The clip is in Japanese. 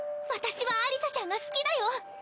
私はアリサちゃんが好きだよ！